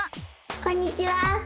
こんにちは！